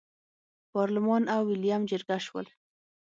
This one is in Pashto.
پارلمان او ویلیم جرګه شول.